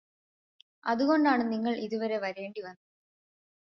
അതുകൊണ്ടാണ് നിങ്ങൾക്ക് ഇതുവരെ വരേണ്ടി വന്നത്